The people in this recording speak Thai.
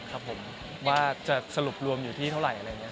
ครับผมว่าจะสรุปรวมอยู่ที่เท่าไหร่อะไรอย่างนี้